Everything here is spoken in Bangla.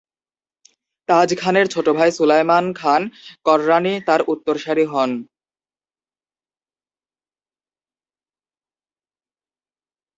তাজ খানের ছোট ভাই সুলায়মান খান কররানী তার উত্তরসুরি হন।